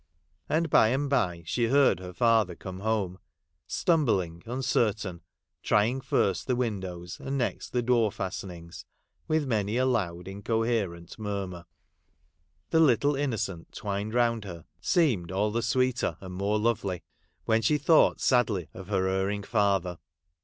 And by and bye she heard her father come home, stumbling uncertain, trying first the windows, and next the door fastenings, with many a loud incoherent murmur. The little Innocent twined around her seemed all the 62 HOUSEHOLD WOEDS. [Conducted hy sweeter and more lovely, when she thought s:ullv of her erring father.